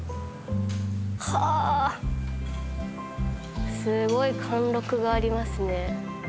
はあすごい貫禄がありますね。